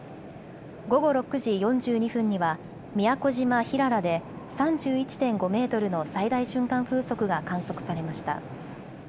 午後６時４２分には宮古島平良で３１．５メートルの最大瞬間風速が観測されました。